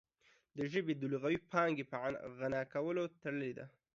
د ژبې د لغوي پانګې په غنا پورې تړلې ده